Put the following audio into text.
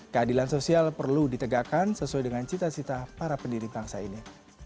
keadilan sosial perlu ditegakkan sesuai dengan cita cita para pendiri bangsa ini